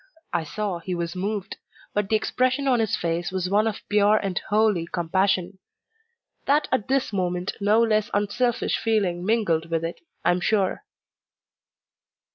I saw he was moved; but the expression on his face was one of pure and holy compassion. That at this moment no less unselfish feeling mingled with it I am sure.